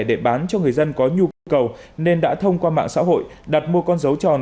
để bán cho người dân có nhu cầu nên đã thông qua mạng xã hội đặt mua con dấu tròn